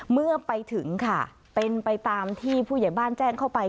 เมื่อไปถึงค่ะเป็นไปตามที่ผู้ใหญ่บ้านแจ้งเข้าไป